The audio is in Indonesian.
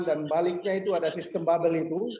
dan baliknya itu ada sistem bubble itu